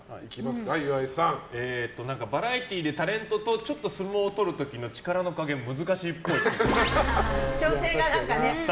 バラエティーでタレントとちょっと相撲を取る時の力の加減難しいっぽい。